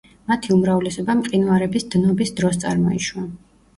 მათი უმრავლესობა მყინვარების დნობის დროს წარმოიშვა.